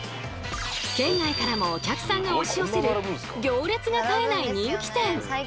県外からもお客さんが押し寄せる行列が絶えない人気店。